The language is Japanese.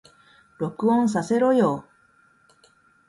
録音させろよ